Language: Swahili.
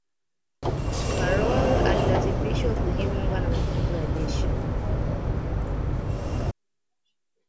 karol alilazimishwa kujiunga na mafunzo ya jeshi